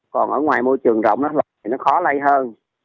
còn ở ngoài môi trường rộng thì nó khó lây hơn